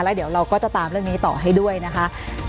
แล้วเดี๋ยวเราก็จะตามเรื่องนี้ต่อให้ด้วยนะคะ